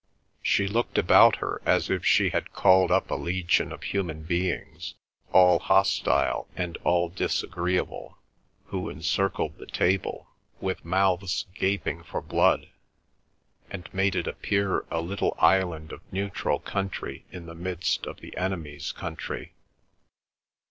She looked about her as if she had called up a legion of human beings, all hostile and all disagreeable, who encircled the table, with mouths gaping for blood, and made it appear a little island of neutral country in the midst of the enemy's country.